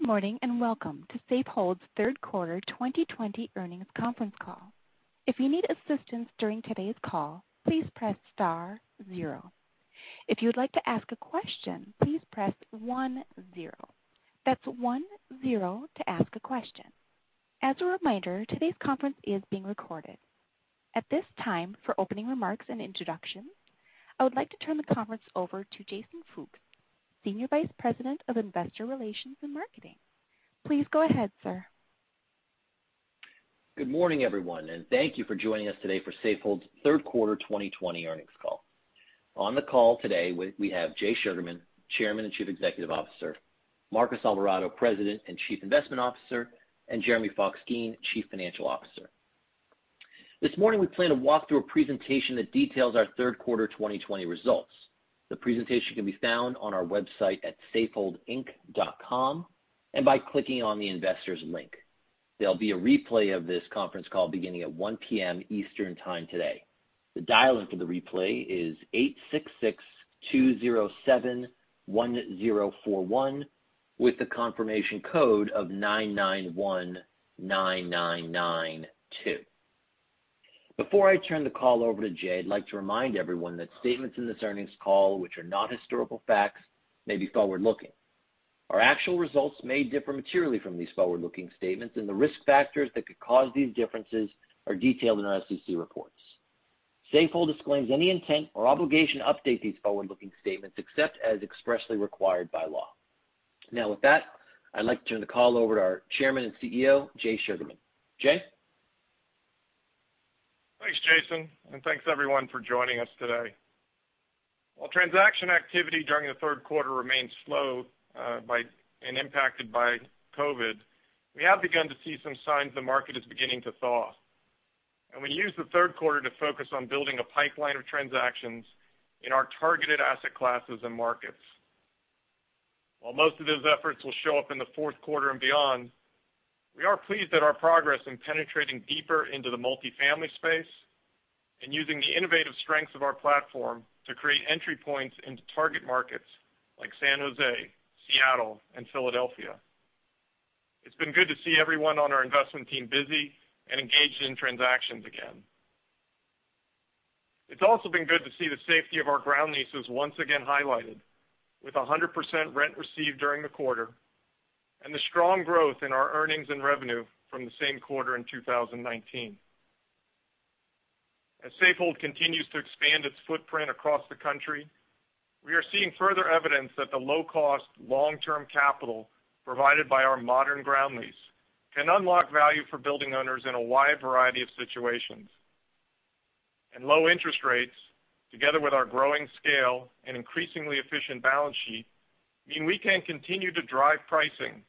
Good morning, and welcome to Safehold's third quarter 2020 earnings conference call. If you need assistance during today's call, please press star zero. If you would like to ask a question, please press one zero. That's one zero to ask a question. As a reminder, today's conference is being recorded. At this time, for opening remarks and introductions, I would like to turn the conference over to Jason Fooks, Senior Vice President of Investor Relations and Marketing. Please go ahead, sir. Good morning, everyone, and thank you for joining us today for Safehold's third quarter 2020 earnings call. On the call today, we have Jay Sugarman, Chairman and Chief Executive Officer, Marcos Alvarado, President and Chief Investment Officer, and Jeremy Fox-Geen, Chief Financial Officer. This morning, we plan to walk through a presentation that details our third quarter 2020 results. The presentation can be found on our website at safeholdinc.com, and by clicking on the investors link. There'll be a replay of this conference call beginning at 1:00 P.M. Eastern Time today. The dial-in for the replay is 866-207-1041, with the confirmation code of 9919992. Before I turn the call over to Jay, I'd like to remind everyone that statements in this earnings call, which are not historical facts, may be forward-looking. Our actual results may differ materially from these forward-looking statements, and the risk factors that could cause these differences are detailed in our SEC reports. Safehold disclaims any intent or obligation to update these forward-looking statements, except as expressly required by law. With that, I'd like to turn the call over to our Chairman and CEO, Jay Sugarman. Jay? Thanks, Jason, and thanks, everyone, for joining us today. While transaction activity during the third Quarter remains slow and impacted by COVID, we have begun to see some signs the market is beginning to thaw. We used the third Quarter to focus on building a pipeline of transactions in our targeted asset classes and markets. While most of those efforts will show up in the fourth Quarter and beyond, we are pleased at our progress in penetrating deeper into the multifamily space and using the innovative strengths of our platform to create entry points into target markets like San Jose, Seattle, and Philadelphia. It's been good to see everyone on our investment team busy and engaged in transactions again. It's also been good to see the safety of our ground leases once again highlighted with 100% rent received during the quarter, and the strong growth in our earnings and revenue from the same quarter in 2019. As Safehold continues to expand its footprint across the country, we are seeing further evidence that the low-cost, long-term capital provided by our modern ground lease can unlock value for building owners in a wide variety of situations. Low interest rates, together with our growing scale and increasingly efficient balance sheet, mean we can continue to drive pricing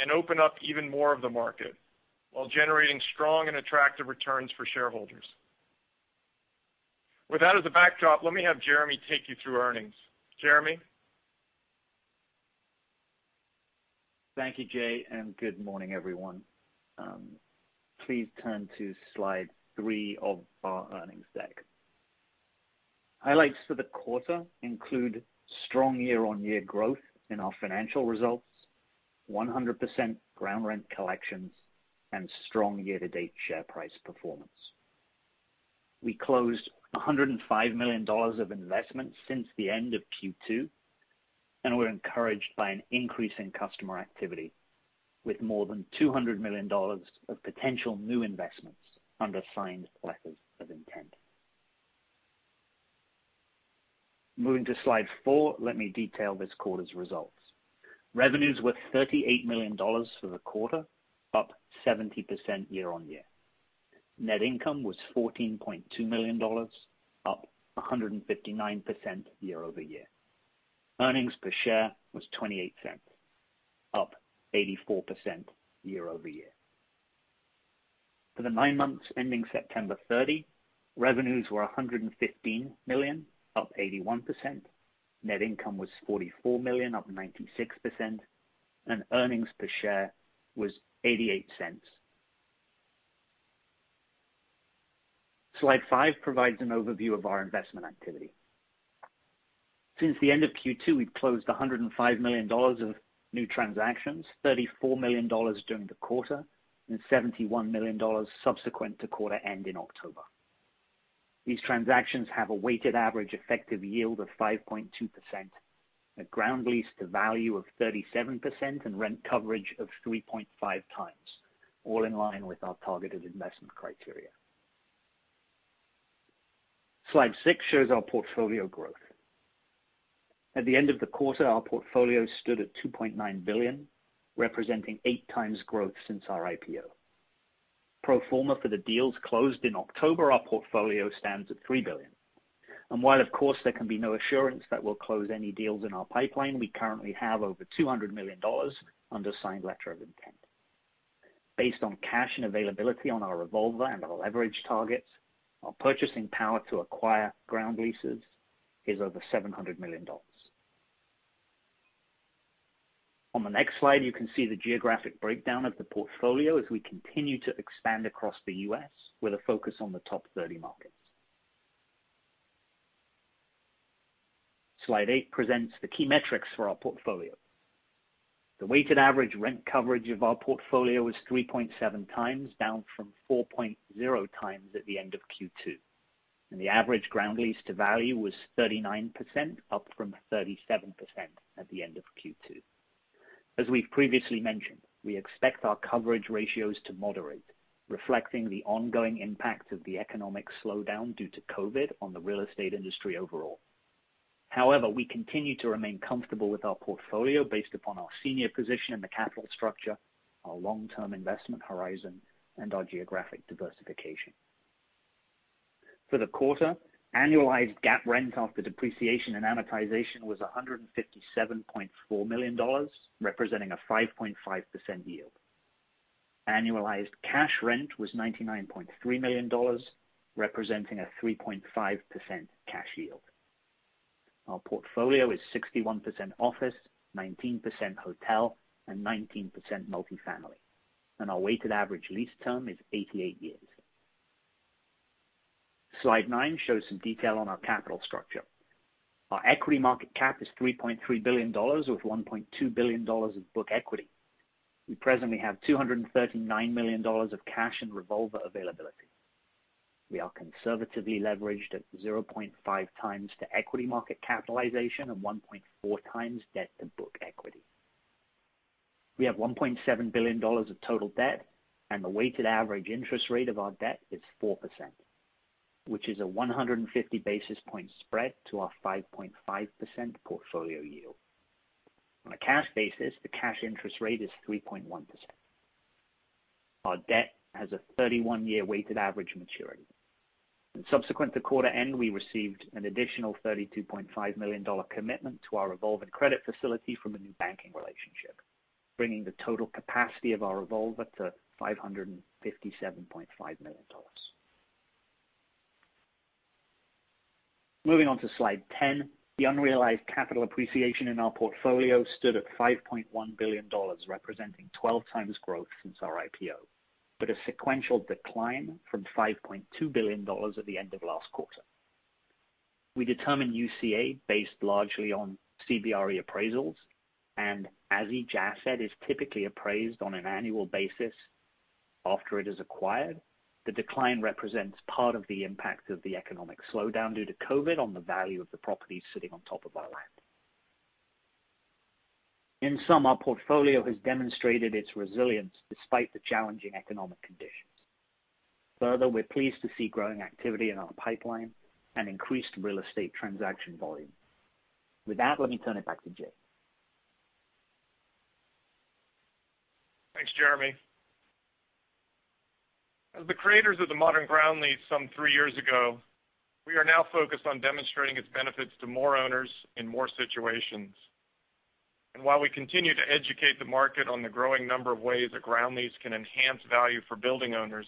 and open up even more of the market while generating strong and attractive returns for shareholders. With that as a backdrop, let me have Jeremy take you through earnings. Jeremy? Thank you, Jay, good morning, everyone. Please turn to slide three of our earnings deck. Highlights for the quarter include strong year-on-year growth in our financial results, 100% ground rent collections, and strong year-to-date share price performance. We closed $105 million of investments since the end of Q2, and we're encouraged by an increase in customer activity with more than $200 million of potential new investments under signed letters of intent. Moving to slide four, let me detail this quarter's results. Revenues were $38 million for the quarter, up 70% year-on-year. Net income was $14.2 million, up 159% year-over-year. Earnings per share was $0.28, up 84% year-over-year. For the nine months ending September 30, revenues were $115 million, up 81%. Net income was $44 million, up 96%, and earnings per share was $0.88. Slide five provides an overview of our investment activity. Since the end of Q2, we've closed $105 million of new transactions, $34 million during the quarter, and $71 million subsequent to quarter end in October. These transactions have a weighted average effective yield of 5.2%, a Ground Lease to Value of 37%, and rent coverage of 3.5 times, all in line with our targeted investment criteria. Slide six shows our portfolio growth. At the end of the quarter, our portfolio stood at $2.9 billion, representing eight times growth since our IPO. Pro forma for the deals closed in October, our portfolio stands at $3 billion. While of course there can be no assurance that we'll close any deals in our pipeline, we currently have over $200 million under signed letter of intent. Based on cash and availability on our revolver and our leverage targets, our purchasing power to acquire ground leases is over $700 million. On the next slide, you can see the geographic breakdown of the portfolio as we continue to expand across the U.S. with a focus on the top 30 markets. Slide eight presents the key metrics for our portfolio. The weighted average rent coverage of our portfolio is 3.7 times, down from 4.0 times at the end of Q2. The average Ground Lease to Value was 39%, up from 37% at the end of Q2. As we've previously mentioned, we expect our coverage ratios to moderate, reflecting the ongoing impact of the economic slowdown due to COVID on the real estate industry overall. We continue to remain comfortable with our portfolio based upon our senior position in the capital structure, our long-term investment horizon, and our geographic diversification. For the quarter, annualized GAAP rent after depreciation and amortization was $157.4 million, representing a 5.5% yield. Annualized cash rent was $99.3 million, representing a 3.5% cash yield. Our portfolio is 61% office, 19% hotel, and 19% multifamily. Our weighted average lease term is 88 years. Slide nine shows some detail on our capital structure. Our equity market cap is $3.3 billion, with $1.2 billion of book equity. We presently have $239 million of cash and revolver availability. We are conservatively leveraged at 0.5 times to equity market capitalization and 1.4 times debt to book equity. We have $1.7 billion of total debt, and the weighted average interest rate of our debt is 4%, which is a 150 basis point spread to our 5.5% portfolio yield. On a cash basis, the cash interest rate is 3.1%. Our debt has a 31-year weighted average maturity. Subsequent to quarter end, we received an additional $32.5 million commitment to our revolving credit facility from a new banking relationship, bringing the total capacity of our revolver to $557.5 million. Moving on to slide 10, the unrealized capital appreciation in our portfolio stood at $5.1 billion, representing 12 times growth since our IPO, but a sequential decline from $5.2 billion at the end of last quarter. We determine UCA based largely on CBRE appraisals. As each asset is typically appraised on an annual basis after it is acquired, the decline represents part of the impact of the economic slowdown due to COVID on the value of the properties sitting on top of our land. In sum, our portfolio has demonstrated its resilience despite the challenging economic conditions. Further, we're pleased to see growing activity in our pipeline and increased real estate transaction volume. With that, let me turn it back to Jay. Thanks, Jeremy. As the creators of the modern ground lease some three years ago, we are now focused on demonstrating its benefits to more owners in more situations. While we continue to educate the market on the growing number of ways that ground leases can enhance value for building owners,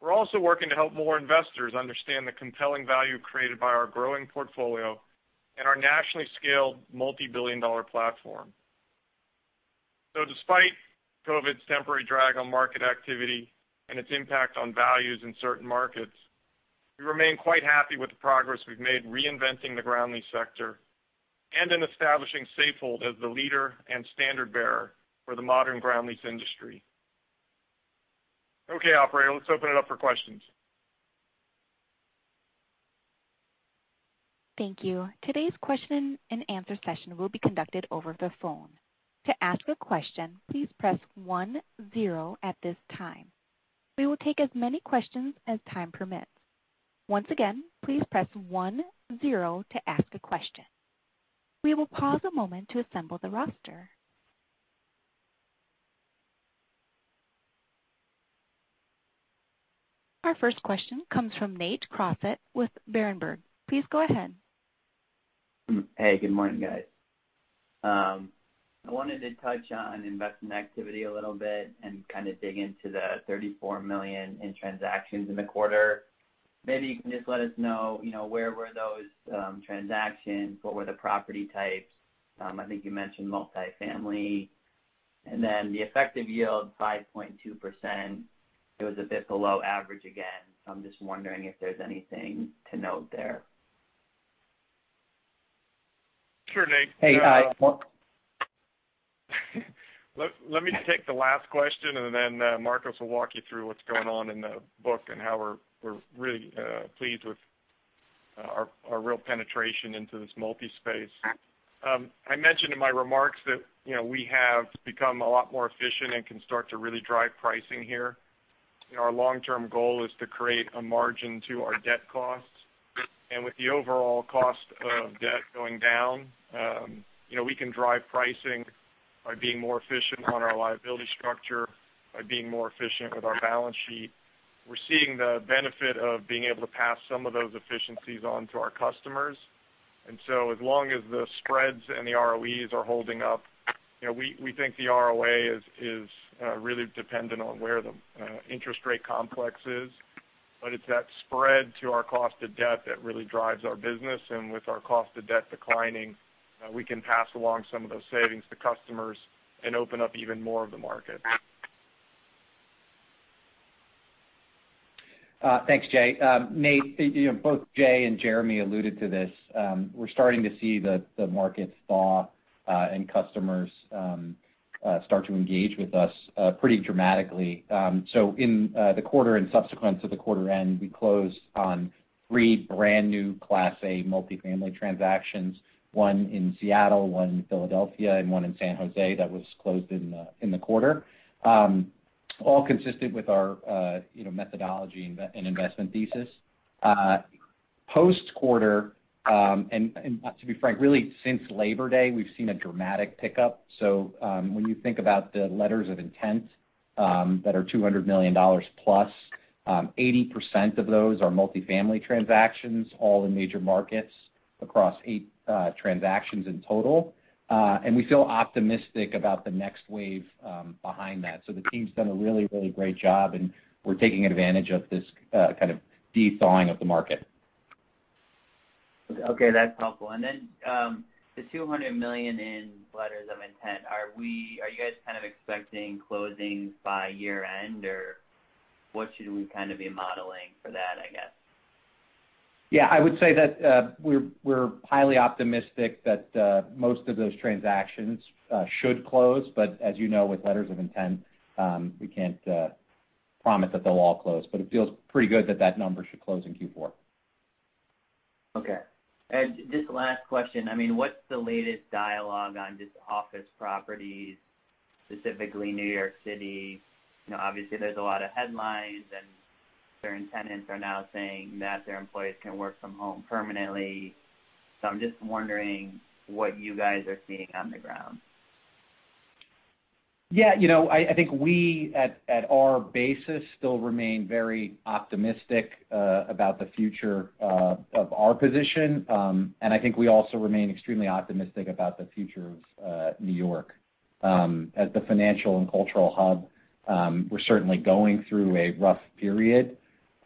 we're also working to help more investors understand the compelling value created by our growing portfolio and our nationally scaled multi-billion-dollar platform. Despite COVID's temporary drag on market activity and its impact on values in certain markets, we remain quite happy with the progress we've made reinventing the ground lease sector and in establishing Safehold as the leader and standard-bearer for the modern ground lease industry. Okay, operator, let's open it up for questions. Thank you. Our first question comes from Nate Crossett with Berenberg. Please go ahead. Hey, good morning, guys. I wanted to touch on investment activity a little bit and kind of dig into the $34 million in transactions in the quarter. Maybe you can just let us know where were those transactions, what were the property types. I think you mentioned multifamily. The effective yield, 5.2%, it was a bit below average again. I'm just wondering if there's anything to note there. Sure, Nate. Hey, Mark. Let me take the last question, and then Marcos will walk you through what's going on in the book and how we're really pleased with our real penetration into this multi space. I mentioned in my remarks that we have become a lot more efficient and can start to really drive pricing here. Our long-term goal is to create a margin to our debt costs. With the overall cost of debt going down, we can drive pricing by being more efficient on our liability structure, by being more efficient with our balance sheet. We're seeing the benefit of being able to pass some of those efficiencies on to our customers. As long as the spreads and the ROEs are holding up, we think the ROA is really dependent on where the interest rate complex is. It's that spread to our cost of debt that really drives our business. With our cost of debt declining, we can pass along some of those savings to customers and open up even more of the market. Thanks, Jay. Nate, both Jay and Jeremy alluded to this. We're starting to see the markets thaw and customers start to engage with us pretty dramatically. In the quarter and subsequent to the quarter end, we closed on three brand new Class A multi-family transactions, one in Seattle, one in Philadelphia, and one in San Jose that was closed in the quarter, all consistent with our methodology and investment thesis. Post-quarter, and to be frank, really since Labor Day, we've seen a dramatic pickup. When you think about the letters of intent that are $200 million plus, 80% of those are multi-family transactions, all in major markets across eight transactions in total. We feel optimistic about the next wave behind that. The team's done a really great job, and we're taking advantage of this kind of thawing of the market. Okay, that's helpful. The $200 million in letters of intent, are you guys kind of expecting closings by year-end, or what should we be modeling for that, I guess? Yeah, I would say that we're highly optimistic that most of those transactions should close. As you know, with letters of intent, we can't promise that they'll all close. It feels pretty good that that number should close in Q4. Okay. Just last question, what's the latest dialogue on just office properties, specifically New York City? Obviously, there's a lot of headlines, and certain tenants are now saying that their employees can work from home permanently. I'm just wondering what you guys are seeing on the ground. Yeah. I think we, at our basis, still remain very optimistic about the future of our position. I think we also remain extremely optimistic about the future of New York. As the financial and cultural hub, we're certainly going through a rough period.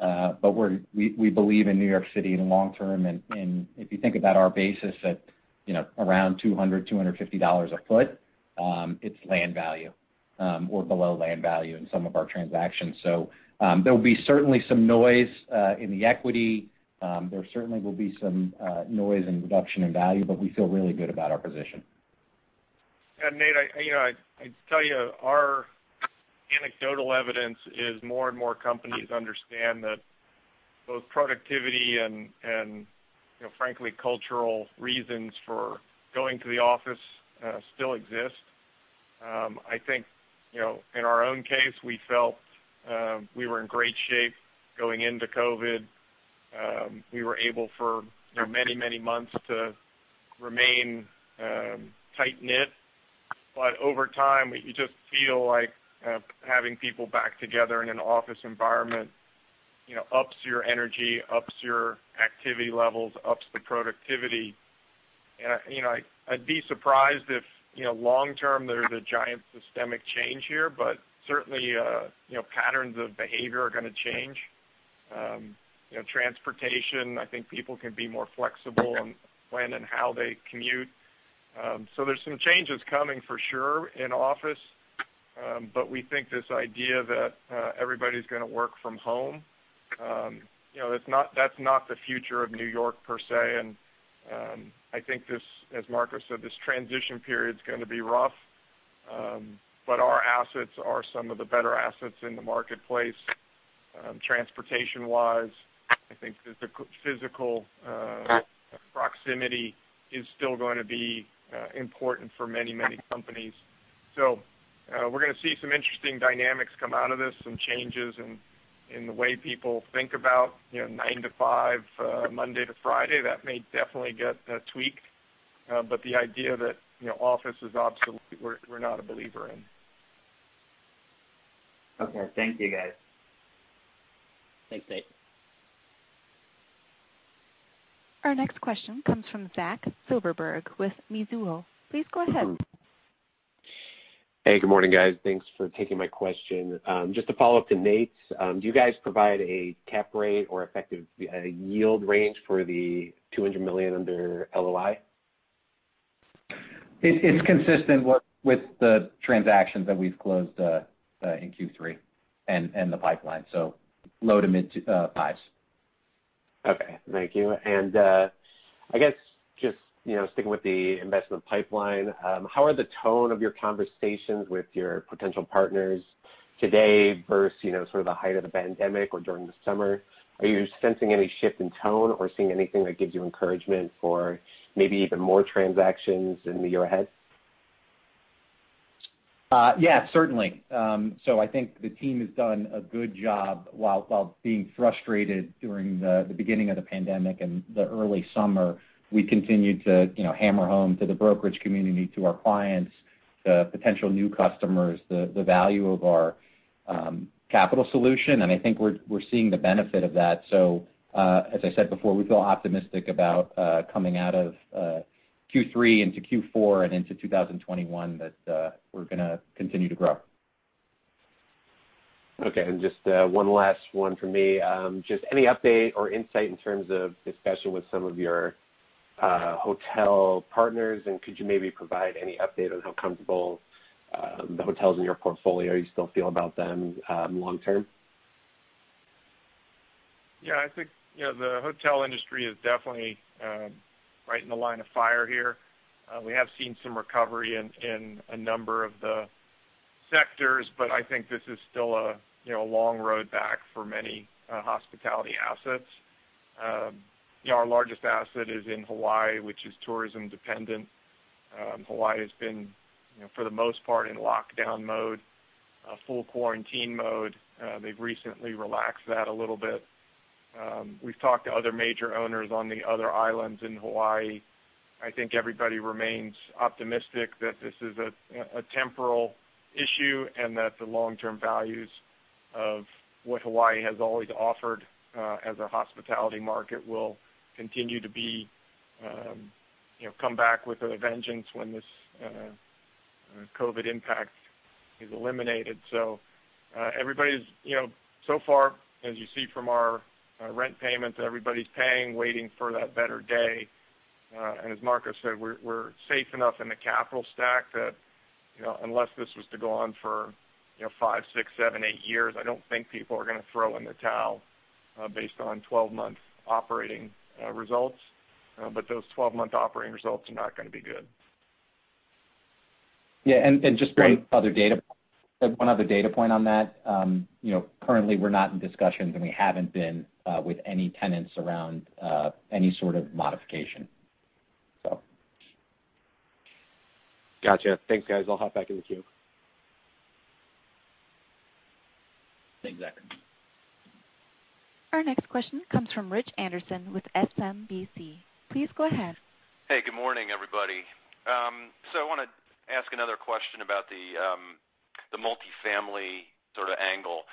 We believe in New York City in the long term, and if you think about our basis at around $200, $250 a foot, it's land value, or below land value in some of our transactions. There'll be certainly some noise in the equity. There certainly will be some noise and reduction in value, but we feel really good about our position. Yeah, Nate, I'd tell you, our anecdotal evidence is more and more companies understand that both productivity and frankly, cultural reasons for going to the office still exist. I think, in our own case, we felt we were in great shape going into COVID. We were able for many months to remain tight-knit. Over time, you just feel like having people back together in an office environment ups your energy, ups your activity levels, ups the productivity. I'd be surprised if long-term there's a giant systemic change here, but certainly patterns of behavior are going to change. Transportation, I think people can be more flexible in when and how they commute. There's some changes coming for sure in office. We think this idea that everybody's going to work from home, that's not the future of New York, per se. I think this, as Marcos said, this transition period's going to be rough. Our assets are some of the better assets in the marketplace. Transportation-wise, I think the physical proximity is still going to be important for many companies. We're going to see some interesting dynamics come out of this, some changes in the way people think about nine to five, Monday to Friday. That may definitely get tweaked. The idea that office is obsolete, we're not a believer in. Okay. Thank you, guys. Thanks, Nate. Our next question comes from Zach Silverberg with Mizuho. Please go ahead. Hey, good morning, guys. Thanks for taking my question. Just to follow up to Nate's, do you guys provide a cap rate or effective yield range for the $200 million under LOI? It's consistent with the transactions that we've closed in Q3 and the pipeline, so low to mid fives. Okay. Thank you. I guess just sticking with the investment pipeline, how are the tone of your conversations with your potential partners today versus sort of the height of the pandemic or during the summer? Are you sensing any shift in tone or seeing anything that gives you encouragement for maybe even more transactions in the year ahead? Certainly. I think the team has done a good job while being frustrated during the beginning of the pandemic and the early summer. We continued to hammer home to the brokerage community, to our clients, the potential new customers, the value of our capital solution, and I think we're seeing the benefit of that. As I said before, we feel optimistic about coming out of Q3 into Q4 and into 2021, that we're going to continue to grow. Okay, just one last one from me. Just any update or insight in terms of discussion with some of your hotel partners, and could you maybe provide any update on how comfortable the hotels in your portfolio, you still feel about them long term? Yeah. I think the hotel industry is definitely right in the line of fire here. We have seen some recovery in a number of the sectors, but I think this is still a long road back for many hospitality assets. Our largest asset is in Hawaii, which is tourism dependent. Hawaii has been, for the most part, in lockdown mode, full quarantine mode. They've recently relaxed that a little bit. We've talked to other major owners on the other islands in Hawaii. I think everybody remains optimistic that this is a temporal issue, and that the long-term values of what Hawaii has always offered as a hospitality market will continue to come back with a vengeance when this COVID impact is eliminated. So far, as you see from our rent payments, everybody's paying, waiting for that better day. As Marcos said, we're safe enough in the capital stack that unless this was to go on for five, six, seven, eight years, I don't think people are going to throw in the towel based on 12-month operating results. Those 12-month operating results are not going to be good. Yeah, and just one other data point on that. Currently we're not in discussions, and we haven't been with any tenants around any sort of modification. Got you. Thanks, guys. I'll hop back in the queue. Thanks, Evan. Our next question comes from Rich Anderson with SMBC. Please go ahead. Hey, good morning, everybody. I want to ask another question about the multifamily sort of angle.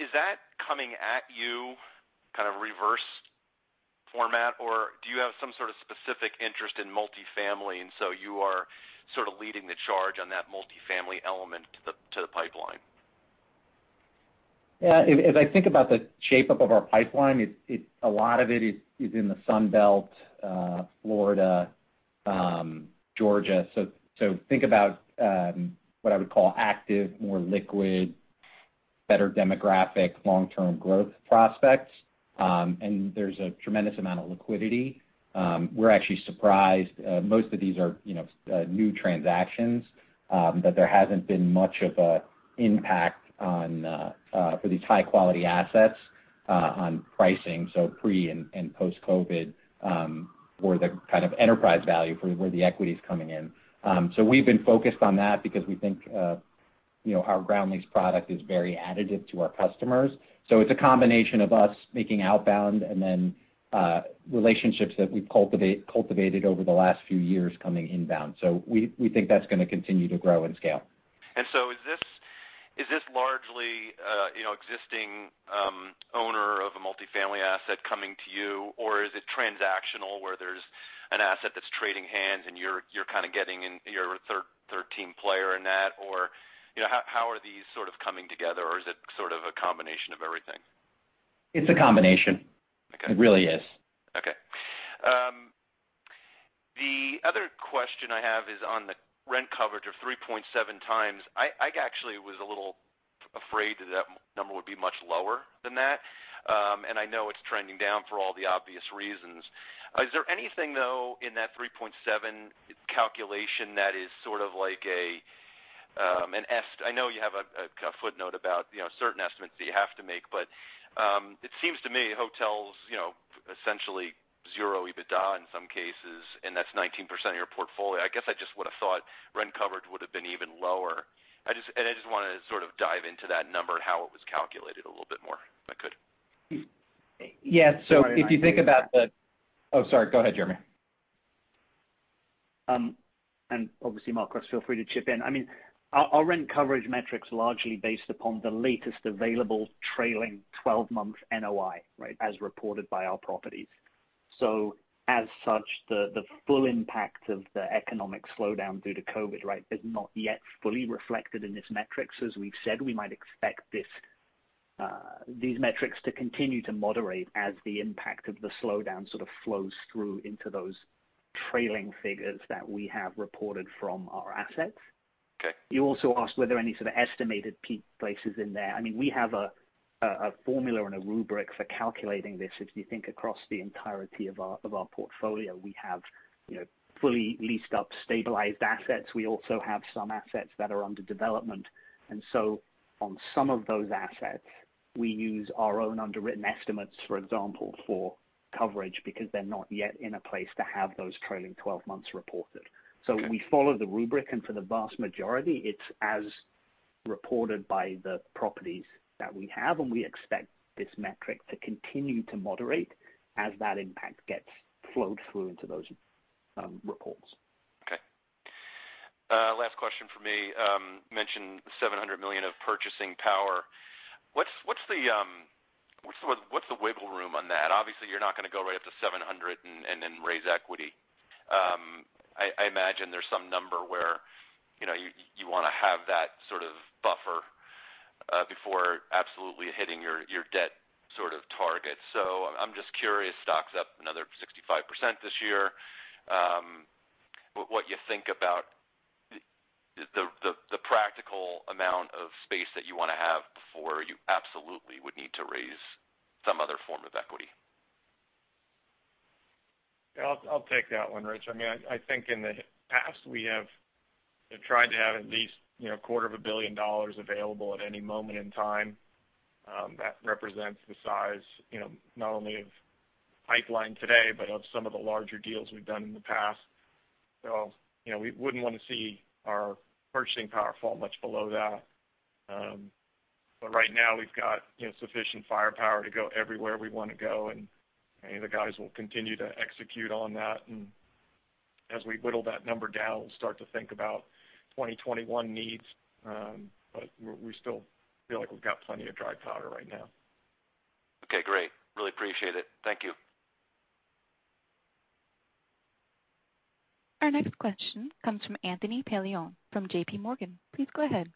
Is that coming at you kind of reverse format, or do you have some sort of specific interest in multifamily, and so you are sort of leading the charge on that multifamily element to the pipeline? Yeah. As I think about the shape of our pipeline, a lot of it is in the Sun Belt, Florida, Georgia. Think about what I would call active, more liquid, better demographic long-term growth prospects. There's a tremendous amount of liquidity. We're actually surprised most of these are new transactions. There hasn't been much of an impact for these high-quality assets on pricing, so pre- and post-COVID, for the kind of enterprise value for where the equity's coming in. We've been focused on that because we think our ground lease product is very additive to our customers. It's a combination of us making outbound and then relationships that we've cultivated over the last few years coming inbound. We think that's going to continue to grow and scale. Is this largely existing owner of a multifamily asset coming to you, or is it transactional, where there's an asset that's trading hands and you're kind of getting in, you're a third team player in that, or how are these sort of coming together, or is it sort of a combination of everything? It's a combination. Okay. It really is. Okay. The other question I have is on the rent coverage of 3.7 times. I actually was a little afraid that that number would be much lower than that. I know it's trending down for all the obvious reasons. Is there anything, though, in that 3.7 calculation that is sort of like I know you have a footnote about certain estimates that you have to make, but it seems to me hotels, essentially zero EBITDA in some cases, and that's 19% of your portfolio. I guess I just would've thought rent coverage would've been even lower. I just want to sort of dive into that number and how it was calculated a little bit more, if I could. Yeah. If you think about. Oh, sorry. Go ahead, Jeremy. Obviously, Marcos, feel free to chip in. Our rent coverage metric's largely based upon the latest available trailing 12-month NOI. Right. As reported by our properties. As such, the full impact of the economic slowdown due to COVID, is not yet fully reflected in these metrics. As we've said, we might expect these metrics to continue to moderate as the impact of the slowdown sort of flows through into those trailing figures that we have reported from our assets. Okay. You also asked were there any sort of estimated peak places in there. We have a formula and a rubric for calculating this. If you think across the entirety of our portfolio, we have fully leased up stabilized assets. We also have some assets that are under development. On some of those assets, we use our own underwritten estimates, for example, for coverage, because they're not yet in a place to have those trailing 12 months reported. Okay. We follow the rubric, and for the vast majority, it's as reported by the properties that we have, and we expect this metric to continue to moderate as that impact gets flowed through into those reports. Okay. Last question from me. You mentioned $700 million of purchasing power. What's the wiggle room on that? Obviously, you're not going to go right up to $700 and then raise equity. I imagine there's some number where you want to have that sort of buffer before absolutely hitting your debt target. I'm just curious, stock's up another 65% this year, what you think about the practical amount of space that you want to have before you absolutely would need to raise some other form of equity. Yeah, I'll take that one, Rich. I think in the past, we have tried to have at least a quarter of a billion dollars available at any moment in time. That represents the size, not only of pipeline today, but of some of the larger deals we've done in the past. We wouldn't want to see our purchasing power fall much below that. Right now, we've got sufficient firepower to go everywhere we want to go, and the guys will continue to execute on that. As we whittle that number down, we'll start to think about 2021 needs. We still feel like we've got plenty of dry powder right now. Okay, great. Really appreciate it. Thank you. Our next question comes from Anthony Paolone from JPMorgan. Please go ahead.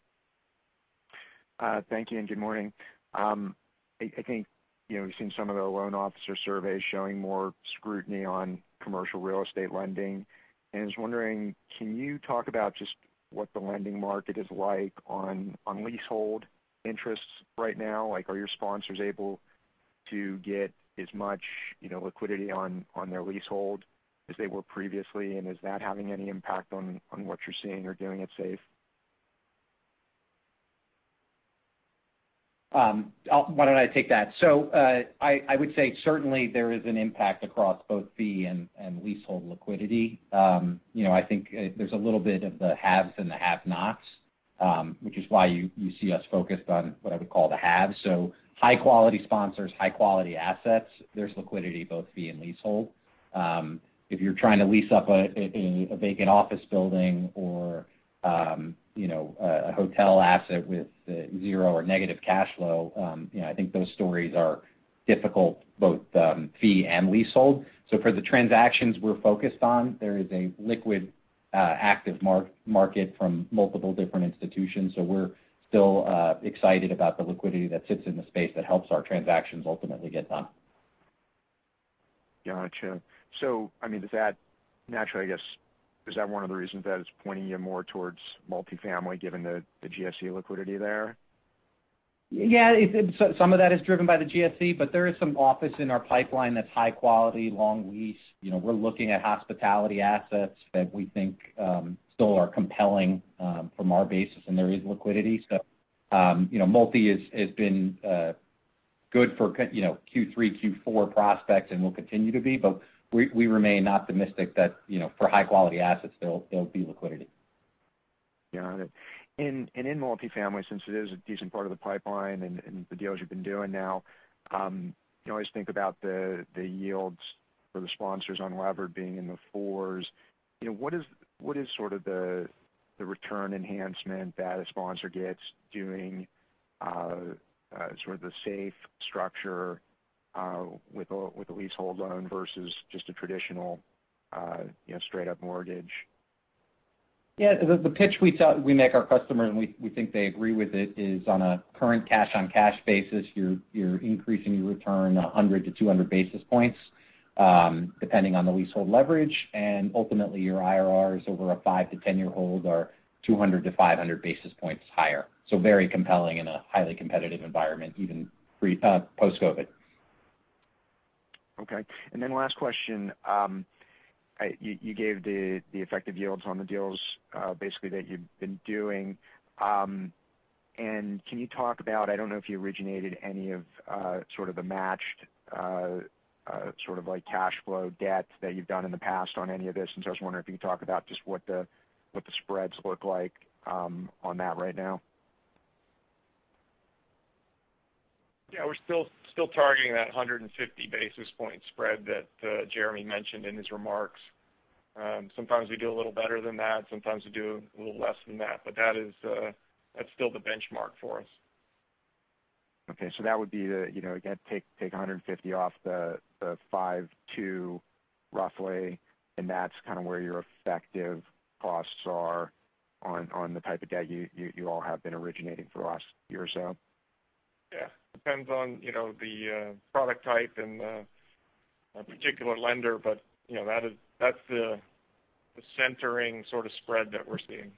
Thank you. Good morning. I think we've seen some of the loan officer surveys showing more scrutiny on commercial real estate lending. I was wondering, can you talk about just what the lending market is like on leasehold interests right now? Are your sponsors able to get as much liquidity on their leasehold as they were previously, and is that having any impact on what you're seeing or doing at SAFE? Why don't I take that. I would say certainly there is an impact across both fee and leasehold liquidity. I think there's a little bit of the haves and the have-nots, which is why you see us focused on what I would call the haves. High-quality sponsors, high-quality assets, there's liquidity both fee and leasehold. If you're trying to lease up a vacant office building or a hotel asset with zero or negative cash flow, I think those stories are difficult, both fee and leasehold. For the transactions we're focused on, there is a liquid, active market from multiple different institutions. We're still excited about the liquidity that sits in the space that helps our transactions ultimately get done. Got you. Naturally, I guess, is that one of the reasons that it's pointing you more towards multifamily, given the GSE liquidity there? Some of that is driven by the GSE. There is some office in our pipeline that's high quality, long lease. We're looking at hospitality assets that we think still are compelling from our basis. There is liquidity. Multi has been good for Q3, Q4 prospects and will continue to be. We remain optimistic that for high-quality assets, there'll be liquidity. Got it. In multifamily, since it is a decent part of the pipeline and the deals you've been doing now, you always think about the yields for the sponsors on levered being in the fours. What is sort of the return enhancement that a sponsor gets doing sort of the SAFE structure with a leasehold loan versus just a traditional straight-up mortgage? Yeah, the pitch we make our customers, and we think they agree with it, is on a current cash-on-cash basis, you're increasing your return 100 to 200 basis points, depending on the leasehold leverage. Ultimately, your IRRs over a five to 10-year hold are 200 to 500 basis points higher. Very compelling in a highly competitive environment, even post-COVID. Okay. Then last question. You gave the effective yields on the deals basically that you've been doing. Can you talk about, I don't know if you originated any of sort of the matched cash flow debt that you've done in the past on any of this. I was wondering if you could talk about just what the spreads look like on that right now. Yeah, we're still targeting that 150-basis point spread that Jeremy mentioned in his remarks. Sometimes we do a little better than that, sometimes we do a little less than that. That's still the benchmark for us. Okay, that would be take 150 off the 5.2 roughly, and that's kind of where your effective costs are on the type of debt you all have been originating for the last year or so? Yeah. Depends on the product type and the particular lender, but that's the centering sort of spread that we're seeing.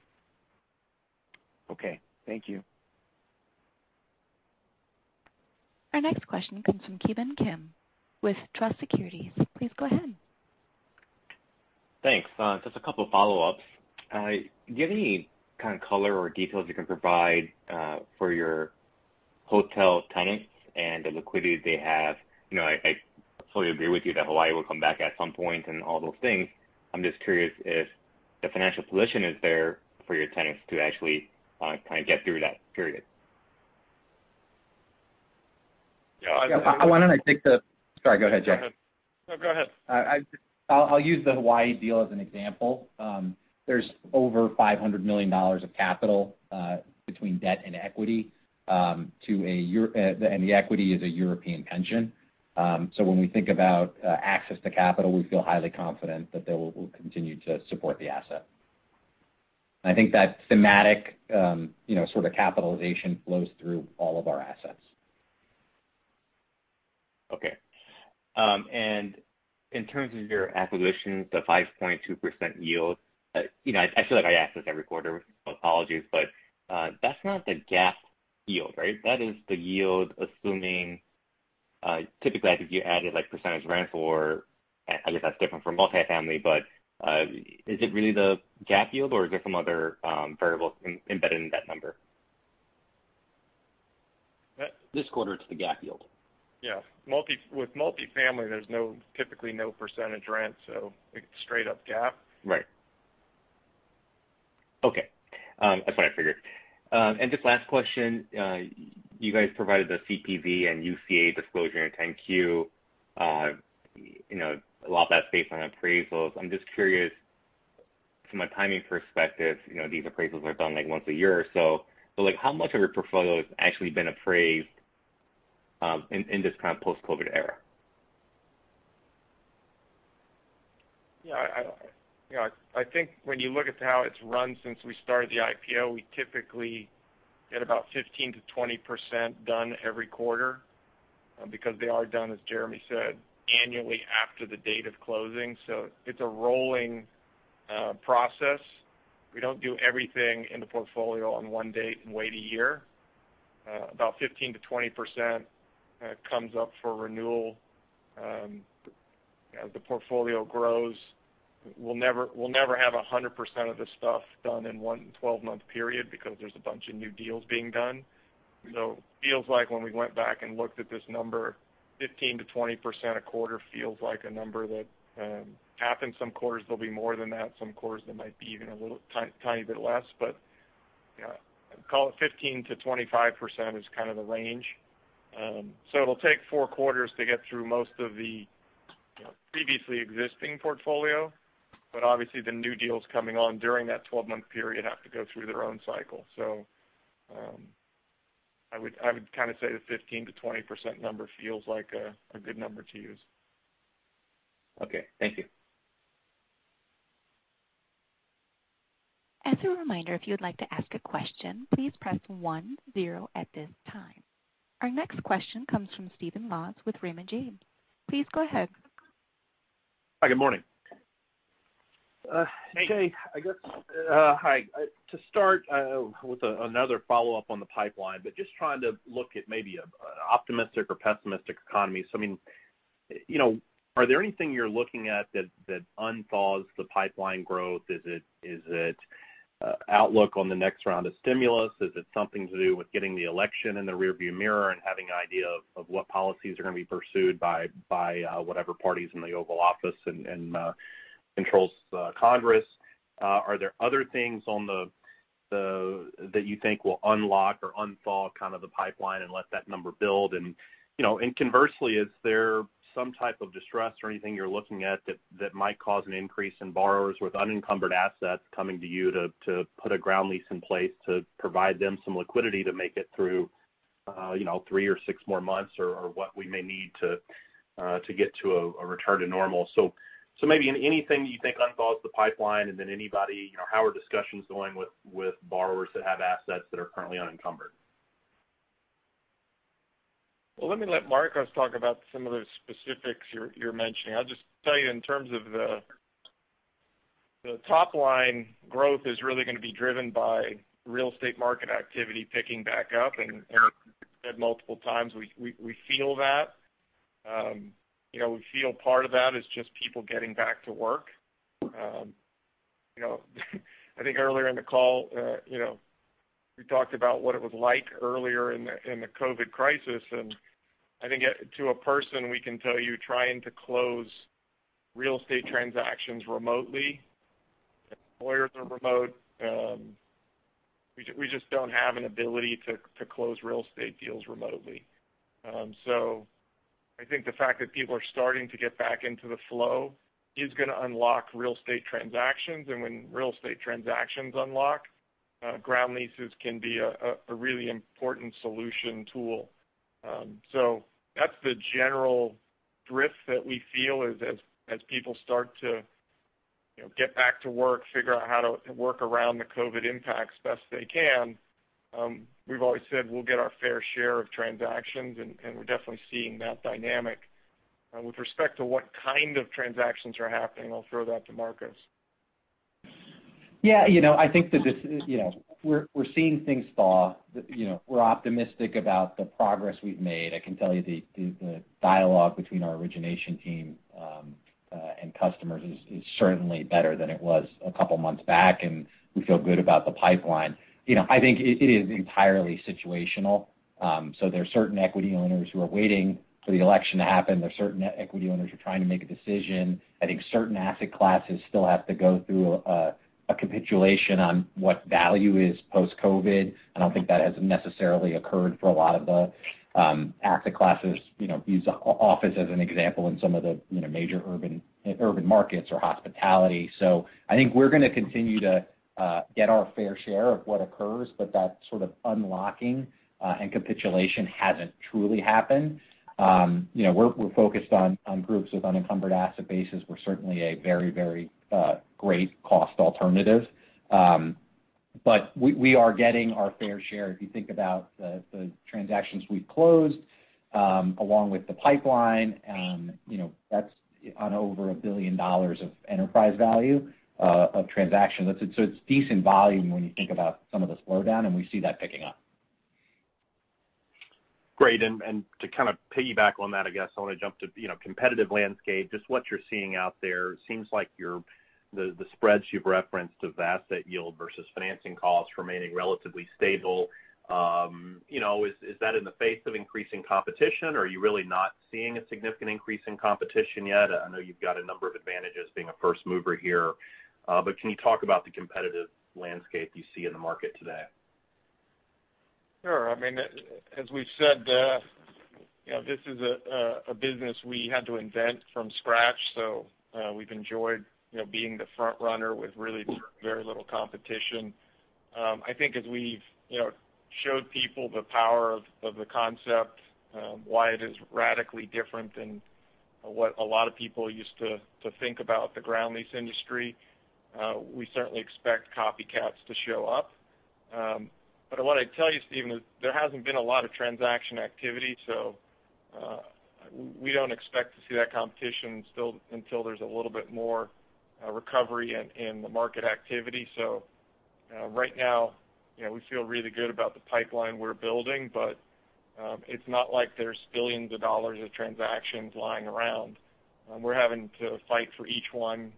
Okay. Thank you. Our next question comes from Ki Bin Kim with Truist Securities. Please go ahead. Thanks. Just a couple follow-ups. Do you have any kind of color or details you can provide for your hotel tenants and the liquidity they have? I fully agree with you that Hawaii will come back at some point and all those things. I'm just curious if the financial position is there for your tenants to actually kind of get through that period. Why don't I take the sorry. Go ahead, Jeff. Go ahead. I'll use the Hawaii deal as an example. There's over $500 million of capital between debt and equity, and the equity is a European pension. When we think about access to capital, we feel highly confident that they will continue to support the asset. I think that thematic sort of capitalization flows through all of our assets. Okay. In terms of your acquisitions, the 5.2% yield, I feel like I ask this every quarter, apologies, but that's not the GAAP yield, right? That is the yield assuming, typically, I think you added percentage rent. I guess that's different for multi-family, but is it really the GAAP yield, or is there some other variables embedded in that number? This quarter, it's the GAAP yield. With multi-family, there's typically no percentage rent, so it's straight up GAAP. Right. Okay. That's what I figured. Just last question. You guys provided the CPV and UCA disclosure in the 10-Q. A lot of that's based on appraisals. I'm just curious from a timing perspective, these appraisals are done like once a year or so, but how much of your portfolio has actually been appraised in this kind of post-COVID era? Yeah. I think when you look at how it's run since we started the IPO, we typically get about 15%-20% done every quarter, because they are done, as Jeremy said, annually after the date of closing. It's a rolling process. We don't do everything in the portfolio on one date and wait a year. About 15%-20% comes up for renewal. As the portfolio grows, we'll never have 100% of the stuff done in one 12-month period because there's a bunch of new deals being done. Feels like when we went back and looked at this number, 15%-20% a quarter feels like a number that happens. Some quarters they'll be more than that. Some quarters they might be even a little tiny bit less, but call it 15%-25% is kind of the range. It'll take four quarters to get through most of the previously existing portfolio. Obviously, the new deals coming on during that 12-month period have to go through their own cycle. I would kind of say the 15%-20% number feels like a good number to use. Okay. Thank you. As a reminder, if you would like to ask a question, please press one zero at this time. Our next question comes from Steven Maus with Raymond James. Please go ahead. Hi, good morning. Hey. Jay. Hi. To start, with another follow-up on the pipeline, just trying to look at maybe an optimistic or pessimistic economy. Are there anything you're looking at that unthaws the pipeline growth? Is it outlook on the next round of stimulus? Is it something to do with getting the election in the rearview mirror and having an idea of what policies are going to be pursued by whatever party's in the Oval Office and controls Congress? Are there other things that you think will unlock or unthaw kind of the pipeline and let that number build? Conversely, is there some type of distress or anything you're looking at that might cause an increase in borrowers with unencumbered assets coming to you to put a ground lease in place to provide them some liquidity to make it through three or six more months or what we may need to get to a return to normal? Maybe anything you think unthaws the pipeline, and then anybody, how are discussions going with borrowers that have assets that are currently unencumbered? Well, let me let Marcos talk about some of the specifics you're mentioning. I'll just tell you in terms of the top line growth is really going to be driven by real estate market activity picking back up. We've said multiple times, we feel that. We feel part of that is just people getting back to work. I think earlier in the call, we talked about what it was like earlier in the COVID crisis, and I think to a person, we can tell you trying to close real estate transactions remotely, employers are remote. We just don't have an ability to close real estate deals remotely. I think the fact that people are starting to get back into the flow is going to unlock real estate transactions. When real estate transactions unlock, ground leases can be a really important solution tool. That's the general drift that we feel is as people start to get back to work, figure out how to work around the COVID impacts best they can. We've always said we'll get our fair share of transactions, and we're definitely seeing that dynamic. With respect to what kind of transactions are happening, I'll throw that to Marcos. Yeah. I think that we're seeing things thaw. We're optimistic about the progress we've made. I can tell you the dialogue between our origination team and customers is certainly better than it was a couple of months back, and we feel good about the pipeline. I think it is entirely situational. There are certain equity owners who are waiting for the election to happen. There are certain equity owners who are trying to make a decision. I think certain asset classes still have to go through a capitulation on what value is post-COVID. I don't think that has necessarily occurred for a lot of the asset classes. Use office as an example in some of the major urban markets or hospitality. I think we're going to continue to get our fair share of what occurs, but that sort of unlocking and capitulation hasn't truly happened. We're focused on groups with unencumbered asset bases. We're certainly a very great cost alternative. We are getting our fair share. If you think about the transactions we've closed, along with the pipeline, that's on over $1 billion of enterprise value of transactions. It's decent volume when you think about some of the slowdown, and we see that picking up. Great. To kind of piggyback on that, I guess I want to jump to competitive landscape, just what you're seeing out there. It seems like the spreads you've referenced of asset yield versus financing costs remaining relatively stable. Is that in the face of increasing competition, or are you really not seeing a significant increase in competition yet? I know you've got a number of advantages being a first mover here. Can you talk about the competitive landscape you see in the market today? Sure. As we've said, this is a business we had to invent from scratch. We've enjoyed being the frontrunner with really very little competition. I think as we've showed people the power of the concept, why it is radically different than what a lot of people used to think about the ground lease industry, we certainly expect copycats to show up. What I'd tell you, Steven, is there hasn't been a lot of transaction activity, so we don't expect to see that competition until there's a little bit more recovery in the market activity. Right now, we feel really good about the pipeline we're building, but it's not like there's billions of dollars of transactions lying around. We're having to fight for each one.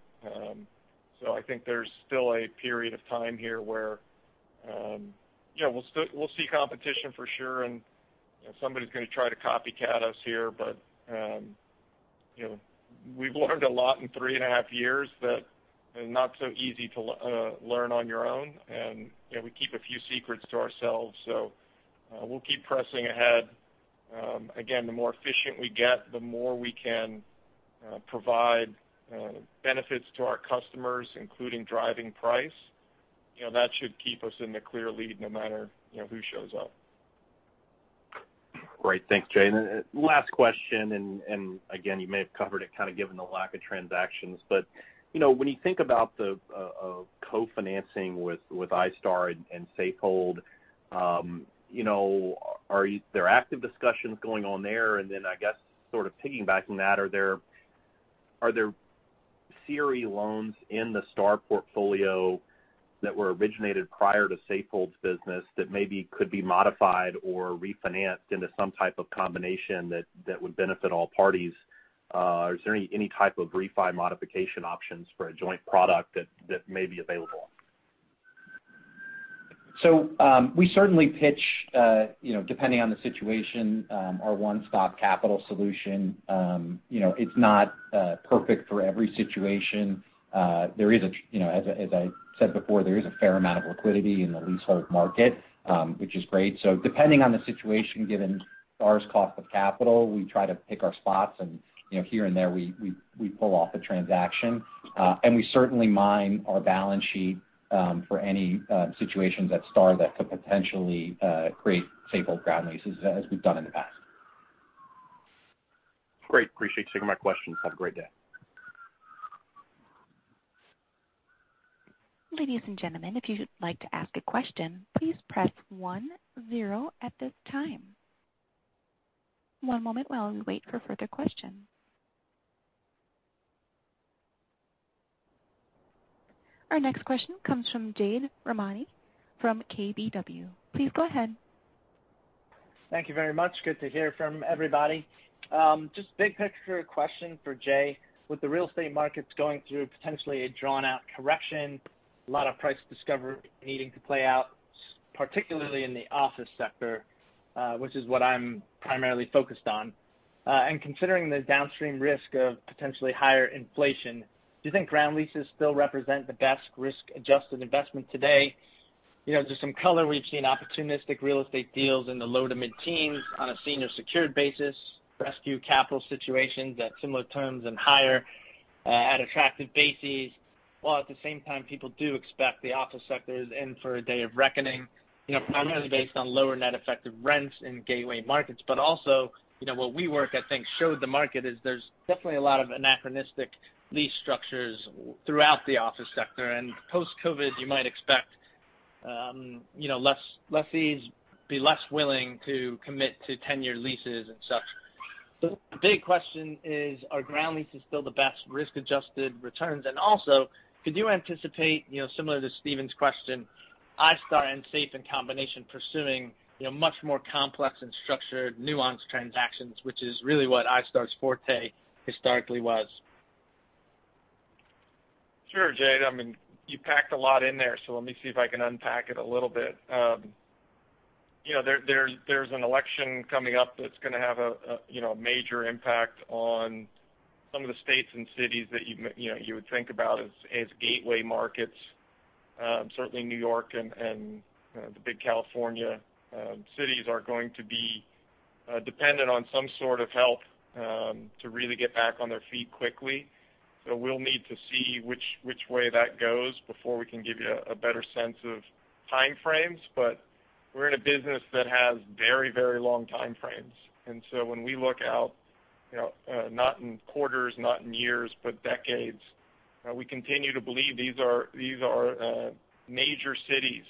I think there's still a period of time here where we'll see competition for sure, and somebody's going to try to copycat us here, but we've learned a lot in three and a half years that are not so easy to learn on your own. We keep a few secrets to ourselves, so we'll keep pressing ahead. Again, the more efficient we get, the more we can provide benefits to our customers, including driving price. That should keep us in the clear lead no matter who shows up. Great. Thanks, Jay. Last question, you may have covered it kind of given the lack of transactions, when you think about the co-financing with iStar and Safehold, are there active discussions going on there? I guess sort of piggybacking that, are there CRE loans in the iStar portfolio that were originated prior to Safehold's business that maybe could be modified or refinanced into some type of combination that would benefit all parties? Is there any type of refi modification options for a joint product that may be available? We certainly pitch, depending on the situation, our one-stop capital solution. It's not perfect for every situation. As I said before, there is a fair amount of liquidity in the leasehold market, which is great. Depending on the situation given iStar's cost of capital, we try to pick our spots, and here and there, we pull off a transaction. We certainly mine our balance sheet for any situations at iStar that could potentially create Safehold ground leases as we've done in the past. Great. Appreciate you taking my questions. Have a great day. Ladies and gentlemen, if you'd like to ask a question, please press 10 at this time. One moment while we wait for further questions. Our next question comes from Jade Rahmani from KBW. Please go ahead. Thank you very much. Good to hear from everybody. Just big-picture question for Jay. With the real estate markets going through potentially a drawn-out correction, a lot of price discovery needing to play out, particularly in the office sector, which is what I'm primarily focused on. Considering the downstream risk of potentially higher inflation, do you think ground leases still represent the best risk-adjusted investment today? Just some color we've seen opportunistic real estate deals in the low to mid-teens on a senior secured basis, rescue capital situations at similar terms and higher at attractive bases. While at the same time, people do expect the office sector is in for a day of reckoning, primarily based on lower net effective rents in gateway markets. Also, what WeWork I think showed the market is there's definitely a lot of anachronistic lease structures throughout the office sector. Post-COVID, you might expect lessees be less willing to commit to 10-year leases and such. The big question is, are ground leases still the best risk-adjusted returns? Also, could you anticipate, similar to Steven's question, iStar and Safe in combination pursuing much more complex and structured nuanced transactions, which is really what iStar's forte historically was? Sure, Jade. You packed a lot in there, let me see if I can unpack it a little bit. There's an election coming up that's going to have a major impact on some of the states and cities that you would think about as gateway markets. Certainly New York and the big California cities are going to be dependent on some sort of help to really get back on their feet quickly. We'll need to see which way that goes before we can give you a better sense of time frames. We're in a business that has very long time frames. When we look out, not in quarters, not in years, but decades, we continue to believe these are major cities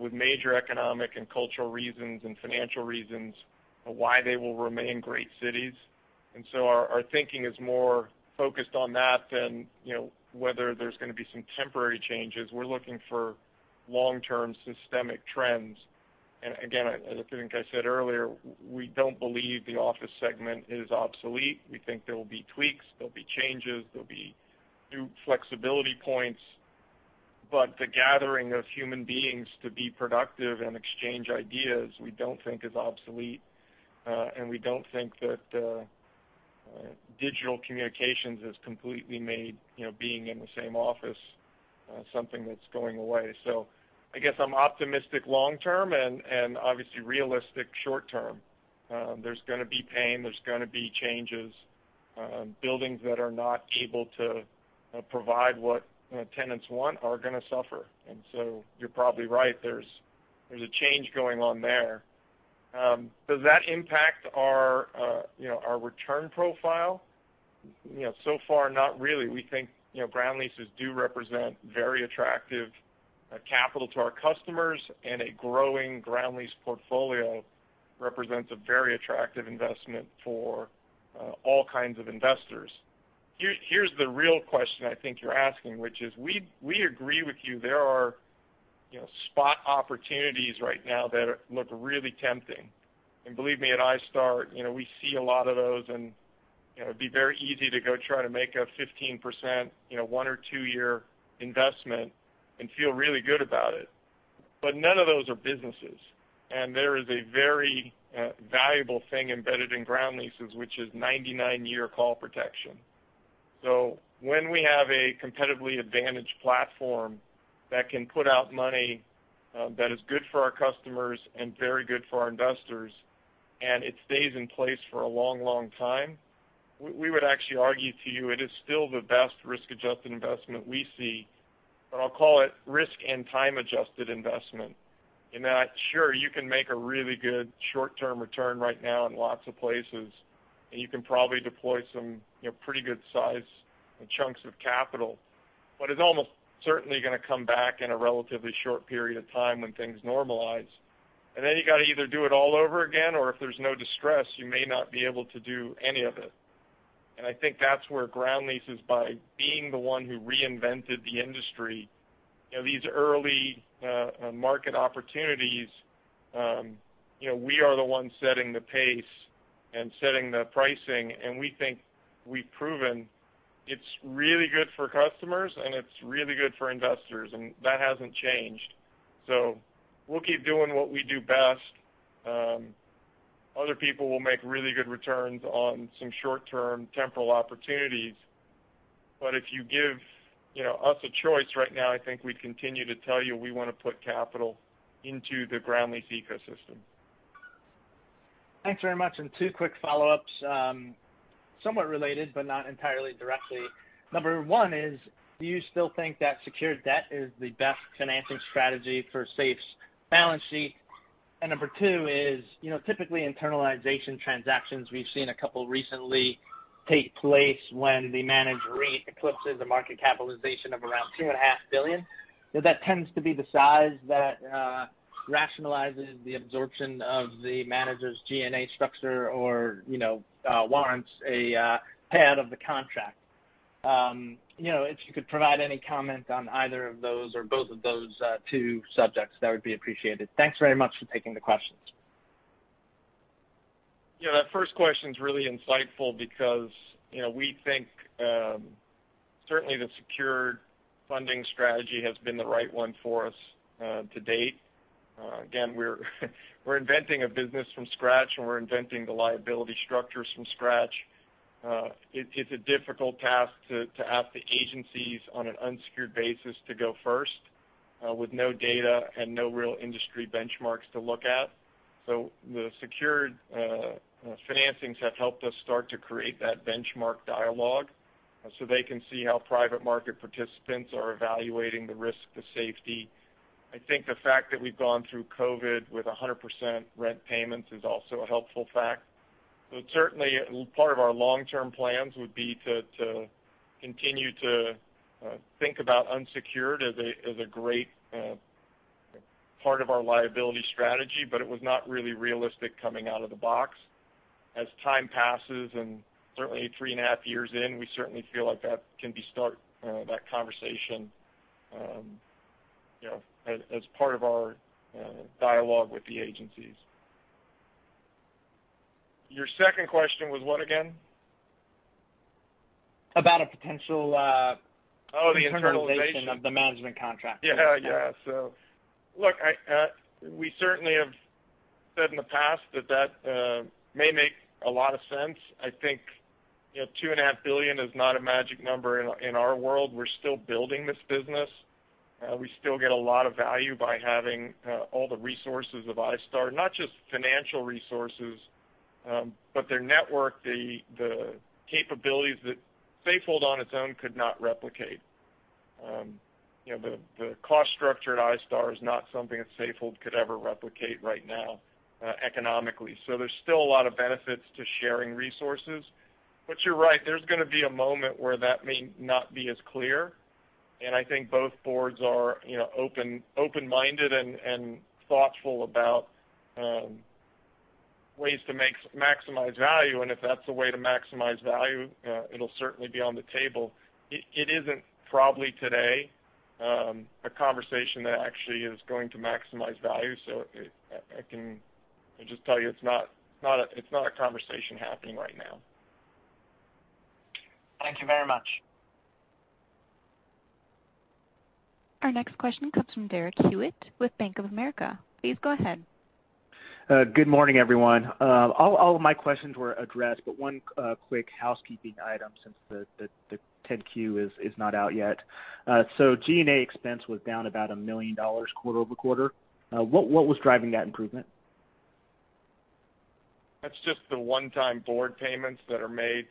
with major economic and cultural reasons and financial reasons of why they will remain great cities. Our thinking is more focused on that than whether there's going to be some temporary changes. We're looking for long-term systemic trends. Again, as I think I said earlier, we don't believe the office segment is obsolete. We think there'll be tweaks, there'll be changes, there'll be new flexibility points, but the gathering of human beings to be productive and exchange ideas, we don't think is obsolete. We don't think that digital communications has completely made being in the same office something that's going away. I guess I'm optimistic long-term and obviously realistic short-term. There's going to be pain. There's going to be changes. Buildings that are not able to provide what tenants want are going to suffer. You're probably right. There's a change going on there. Does that impact our return profile? So far, not really. We think ground leases do represent very attractive capital to our customers, and a growing ground lease portfolio represents a very attractive investment for all kinds of investors. Here's the real question I think you're asking, which is, we agree with you. There are spot opportunities right now that look really tempting. Believe me, at iStar, we see a lot of those, and it'd be very easy to go try to make a 15%, one or two-year investment and feel really good about it. But none of those are businesses. There is a very valuable thing embedded in ground leases, which is 99-year call protection. When we have a competitively advantaged platform that can put out money that is good for our customers and very good for our investors, and it stays in place for a long time, we would actually argue to you it is still the best risk-adjusted investment we see. I'll call it risk and time-adjusted investment. In that, sure, you can make a really good short-term return right now in lots of places, and you can probably deploy some pretty good size chunks of capital. It's almost certainly going to come back in a relatively short period of time when things normalize. Then you got to either do it all over again, or if there's no distress, you may not be able to do any of it. I think that's where ground leases, by being the one who reinvented the industry, these early market opportunities, we are the ones setting the pace and setting the pricing, and we think we've proven it's really good for customers and it's really good for investors, and that hasn't changed. We'll keep doing what we do best. Other people will make really good returns on some short-term temporal opportunities. If you give us a choice right now, I think we'd continue to tell you we want to put capital into the ground lease ecosystem. Thanks very much. Two quick follow-ups. Somewhat related, but not entirely directly. Number one is, do you still think that secured debt is the best financing strategy for SAFE's balance sheet? Number two is, typically internalization transactions, we've seen a couple recently take place when the managed REIT eclipses a market capitalization of around $2.5 billion. That tends to be the size that rationalizes the absorption of the manager's G&A structure or warrants a pad of the contract. If you could provide any comment on either of those or both of those two subjects, that would be appreciated. Thanks very much for taking the questions. That first question's really insightful because we think, certainly, the secured funding strategy has been the right one for us to date. Again, we're inventing a business from scratch, and we're inventing the liability structures from scratch. It's a difficult task to ask the agencies on an unsecured basis to go first with no data and no real industry benchmarks to look at. The secured financings have helped us start to create that benchmark dialogue so they can see how private market participants are evaluating the risk to safety. I think the fact that we've gone through COVID with 100% rent payments is also a helpful fact. Certainly, part of our long-term plans would be to continue to think about unsecured as a great part of our liability strategy. It was not really realistic coming out of the box. As time passes, and certainly three and a half years in, we certainly feel like that can be start that conversation as part of our dialogue with the agencies. Your second question was what again? About a Oh, the internalization. internalization of the management contract. Yeah. Look, we certainly have said in the past that that may make a lot of sense. I think $2.5 billion is not a magic number in our world. We're still building this business. We still get a lot of value by having all the resources of iStar, not just financial resources, but their network, the capabilities that Safehold on its own could not replicate. The cost structure at iStar is not something that Safehold could ever replicate right now economically. There's still a lot of benefits to sharing resources. You're right, there's going to be a moment where that may not be as clear, and I think both boards are open-minded and thoughtful about ways to maximize value. If that's the way to maximize value, it'll certainly be on the table. It isn't probably today a conversation that actually is going to maximize value. I can just tell you it's not a conversation happening right now. Thank you very much. Our next question comes from Derek Hewett with Bank of America. Please go ahead. Good morning, everyone. All of my questions were addressed, but one quick housekeeping item since the 10-Q is not out yet. G&A expense was down about $1 million quarter-over-quarter. What was driving that improvement? That's just the one-time board payments that are made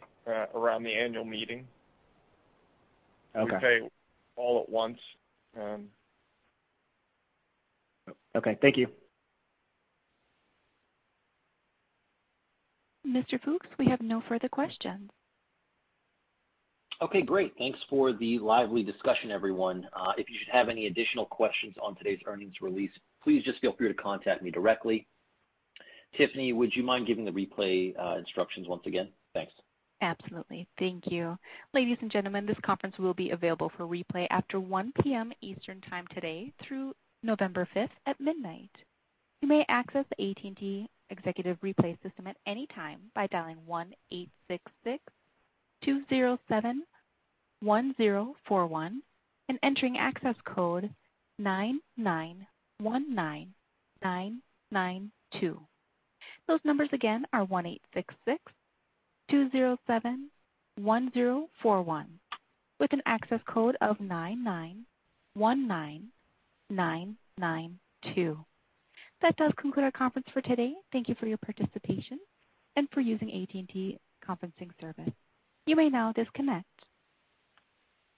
around the annual meeting. Okay. We pay all at once. Okay. Thank you. Mr. Fooks, we have no further questions. Okay, great. Thanks for the lively discussion, everyone. If you should have any additional questions on today's earnings release, please just feel free to contact me directly. Tiffany, would you mind giving the replay instructions once again? Thanks. Absolutely. Thank you. Ladies and gentlemen, this conference will be available for replay after 1:00 PM Eastern time today through November fifth at midnight. You may access the AT&T Executive Replay system at any time by dialing 1-866-207-1041 and entering access code nine nine one nine nine nine two. Those numbers again are 1-866-207-1041 with an access code of nine nine one nine nine nine two. That does conclude our conference for today. Thank you for your participation and for using AT&T conferencing service. You may now disconnect.